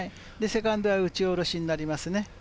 セカンドは打ち下ろしになりますね。